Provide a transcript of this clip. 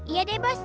iya deh bos